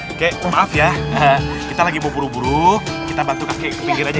oke maaf ya kita lagi mau buru buru kita bantu kakek ke pinggir aja